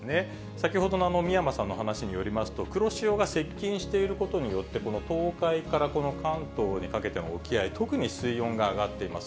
先ほどの美山さんの話によりますと、黒潮が接近していることによって、この東海から関東にかけての沖合、特に水温が上がっています。